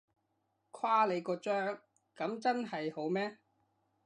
誇你個張，噉真係好咩？